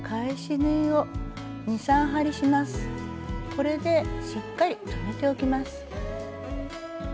これでしっかり留めておきます。